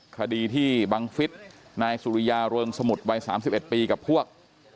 คดีที่บังฟิศนายสุริยาเริงสมุทรวัย๓๑ปีกับพวก